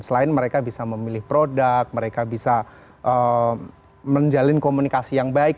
selain mereka bisa memilih produk mereka bisa menjalin komunikasi yang baik